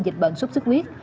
dịch bệnh sốt sức huyết